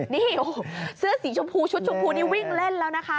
นี่เสื้อสีชมพูชุดชมพูนี่วิ่งเล่นแล้วนะคะ